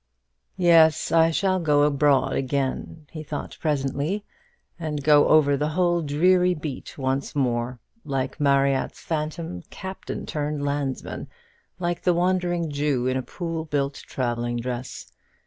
"Yes, I shall go abroad again," he thought presently, "and go over the whole dreary beat once more like Marryat's phantom captain turned landsman, like the Wandering Jew in a Poole built travelling dress.